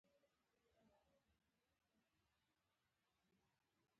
د اکا مينې به تر سترگو لاندې راته بدبد کتل.